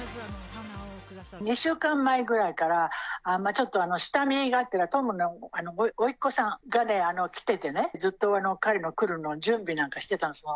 ２週間前くらいから、ちょっと下見がてら、トムのおいっ子さんがね、来ててね、ずっと彼の来るのを準備なんかしてたんですよ。